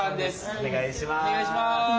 お願いします。